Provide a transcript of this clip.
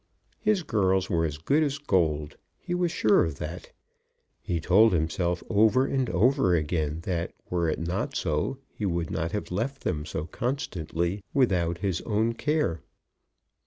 His girls were as good as gold. He was sure of that. He told himself over and over again that were it not so, he would not have left them so constantly without his own care.